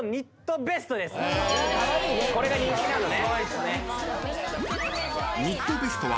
・これが人気なのね。